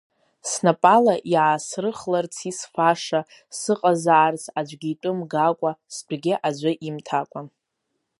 Снапала иаасрыхларц исфаша, сыҟазаарц аӡәгьы итәы мгакәа, стәгьы аӡәы имҭакәан.